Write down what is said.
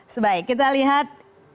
sebaik kita lihat